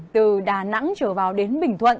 từ đà nẵng trở vào đến bình thuận